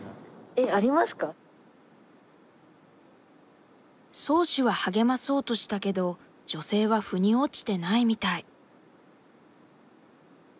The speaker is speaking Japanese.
えっそうしは励まそうとしたけど女性は腑に落ちてないみたい。